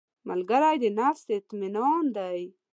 ملګری د نفس اطمینان دی